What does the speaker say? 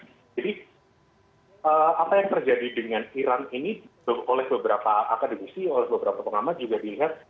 jadi apa yang terjadi dengan iran ini oleh beberapa akademisi oleh beberapa pengamat juga dilihat